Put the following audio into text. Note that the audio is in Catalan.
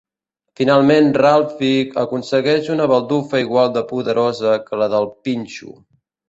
Finalment Ralphie aconsegueix una baldufa igual de poderosa que la del pinxo.